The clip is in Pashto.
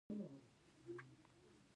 د جهیز دود کورنۍ له پښو غورځوي.